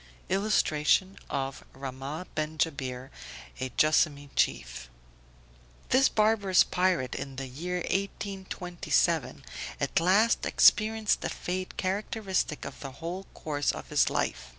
[Illustration: Rahmah ben Jabir, a Joassamee Chief.] This barbarous pirate in the year 1827, at last experienced a fate characteristic of the whole course of his life.